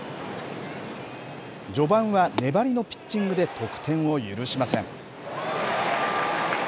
序盤は粘りのピッチングで得点を許しません。